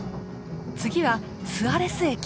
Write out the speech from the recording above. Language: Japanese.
次はスアレス駅。